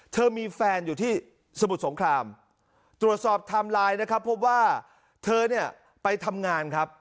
เธอมีแฟนอยู่ที่สมุทรสงคลามตรวจสอบไทม์ไลน์เพราะว่าเขาไปทำงาน